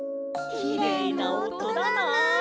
きれいなおとだな。